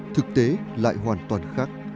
thực tế lại hoàn toàn khác